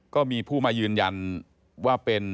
ก็มีผู้มายืนยันว่าเป็น